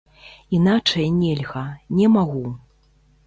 Іначай нельга, не магу.